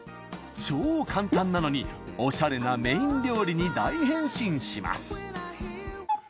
超簡単なのにおしゃれなメイン料理に大変身します